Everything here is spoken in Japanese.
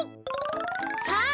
さあ